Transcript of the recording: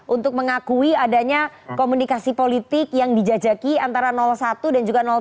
untuk mengakui adanya komunikasi politik yang dijajaki antara satu dan juga tiga